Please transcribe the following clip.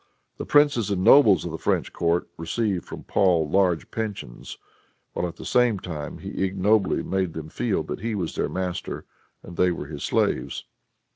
The princes and nobles of the French court received from Paul large pensions, while, at the same time, he ignobly made them feel that he was their master and they were his slaves.